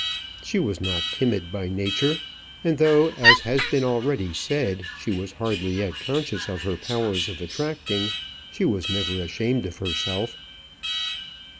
She was not timid by nature; and though, as has been already said, she was hardly yet conscious of her powers of attracting, she was never ashamed of herself.